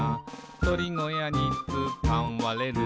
「とりごやにつかわれる」